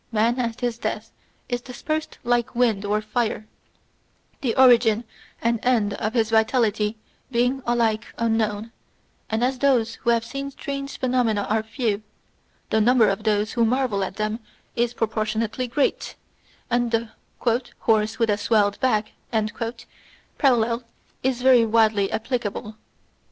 mari at his death is dispersed like wind or fire, the origin and end of his vitality being alike unknown ; and as those who have seen strange phenomena are few, the number of those who marvel at them is proportionately great, and the ' horse with a swelled back ' parallel is very widely applicable.